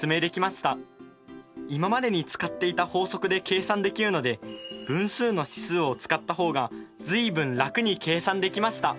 今までに使っていた法則で計算できるので分数の指数を使った方が随分楽に計算できました。